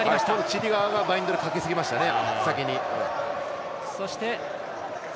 チリ側がバインドかけすぎましたね。